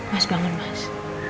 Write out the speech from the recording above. mas bangun mas